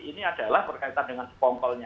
ini adalah berkaitan dengan spongkolnya